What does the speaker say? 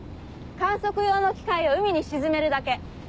観測用の機械を海に沈めるだけ。